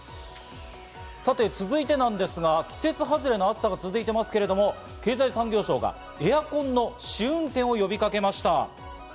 続いてなんですが、季節外れの暑さが続いていますけれども、経済産業省がエアコンの試運転を呼びかけました。